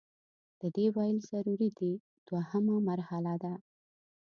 د دې ویل ضروري دي دوهمه مرحله ده.